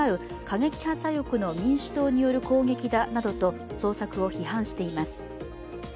過激派左翼の民主党による攻撃だなどと捜索を批判しています。